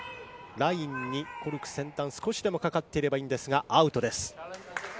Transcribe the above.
ラインにコルク先端が少しでもかかっていればいいんですが、アウトです。